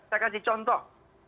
saya kasih contoh